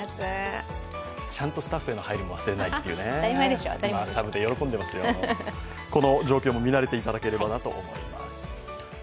ちゃんとスタッフへの配慮も忘れないというこの状況も見慣れていただければと思います。